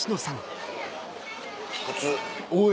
おい！